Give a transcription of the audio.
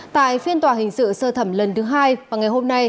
tại phiên tòa hình sự sơ thẩm lần thứ hai vào ngày hôm nay